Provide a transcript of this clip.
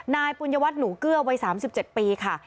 ปุญญวัตรหนูเกื้อวัย๓๗ปีค่ะ